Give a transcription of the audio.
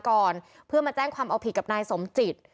ก่อนเพื่อมาแจ้งความเอาผิดกับนายสมจิต